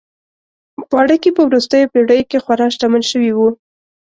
پاړکي په وروستیو پېړیو کې خورا شتمن شوي وو.